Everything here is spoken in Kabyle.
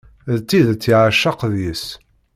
D tidet yeɛceq deg-s.